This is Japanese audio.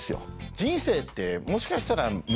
人生ってもしかしたら。